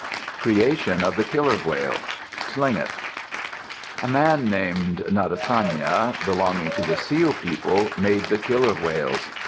CREATION OF THE KILLER WHALE Tlingit A man named Natsayane, belonging to the Seal People, made the killer whales.